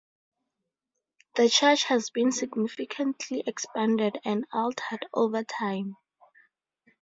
The church has been significantly expanded and altered over time.